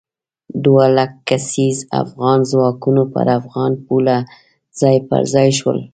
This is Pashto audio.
دوه لک کسیز افغاني ځواکونه پر افغاني پوله ځای پر ځای شول.